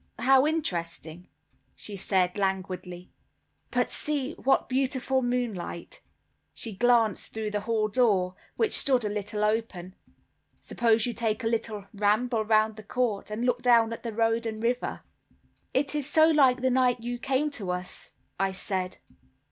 "How interesting!" she said, languidly. "But see what beautiful moonlight!" She glanced through the hall door, which stood a little open. "Suppose you take a little ramble round the court, and look down at the road and river." "It is so like the night you came to us," I said.